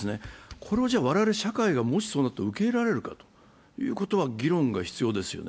これを我々の社会がもしそうなったら受け入れられるかというのは議論が必要ですよね。